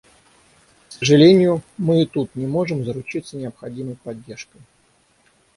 К сожалению, мы и тут не можем заручиться необходимой поддержкой.